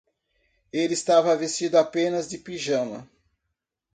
Ele estava vestido apenas de pijama.